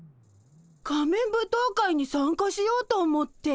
仮面舞踏会に参加しようと思って。